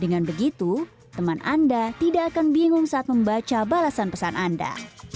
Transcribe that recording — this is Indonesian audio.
dengan begitu teman anda tidak akan bingung saat membaca balasan pesan anda